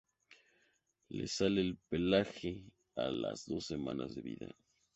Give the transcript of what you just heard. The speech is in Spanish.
Les sale el pelaje a las dos semanas de vida.